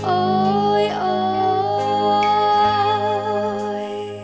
โอ๊ยโอย